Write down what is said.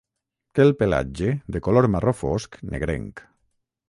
Té el pelatge de color marró fosc negrenc.